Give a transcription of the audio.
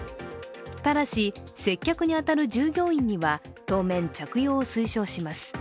ただし、接客に当たる従業員には当面、着用を推奨します。